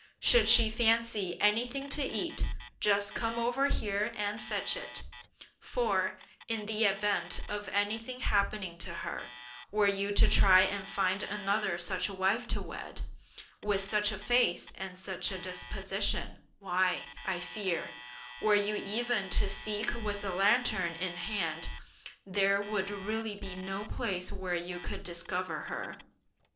Should she fancy anything to eat, just come over here and fetch it; for, in the event of anything happening to her, were you to try and find another such a wife to wed, with such a face and such a disposition, why, I fear, were you even to seek with a lantern in hand, there would really be no place where you could discover her.